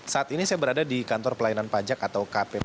saat ini saya berada di kantor pelayanan pajak atau kpp